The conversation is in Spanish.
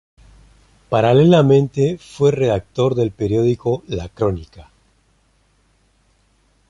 Paralelamente fue redactor del periódico "La Crónica".